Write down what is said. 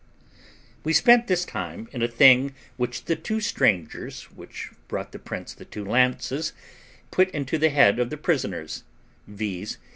We spent this time in a thing which the two strangers, which brought the prince the two lances, put into the head of the prisoners, viz.